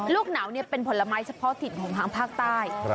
ลูกหนาวเป็นผลไม้เฉพาะถิ่นของทางภาคใต้